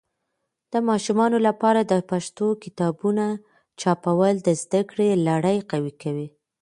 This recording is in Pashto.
د ماشومانو لپاره د پښتو کتابونه چاپول د زده کړې لړی قوي کوي.